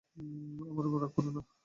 আমার উপর রাগ করো না।